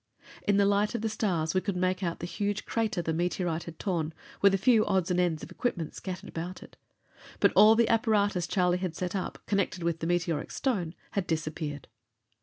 In the light of the stars we could make out the huge crater the meteorite had torn, with a few odds and ends of equipment scattered about it. But all the apparatus Charlie had set up, connected with the meteoric stone, had disappeared.